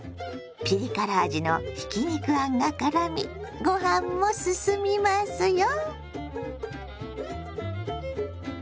ピリ辛味のひき肉あんがからみご飯もすすみますよ。